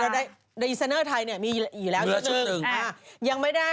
ไดซินนเวอร์ไทยมีอยู่แล้วอีกชุด